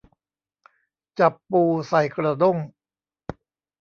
จับปูใส่กระด้ง